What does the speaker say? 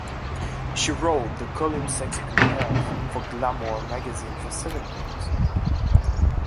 She wrote the column "Sex and Health" for "Glamour" magazine for seven years.